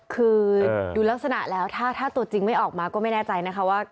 คือดูลักษณะแล้วถ้าตัวจริงไม่ออกมาก็ไม่แน่ใจนะคะว่า